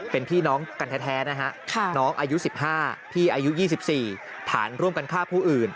เป็นพี่น้องกันแท้นะฮะน้องอายุ๑๕พี่อายุ๒๔ฐานร่วมกันฆ่าผู้อื่น